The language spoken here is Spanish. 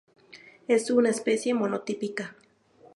Es una especie monotípica.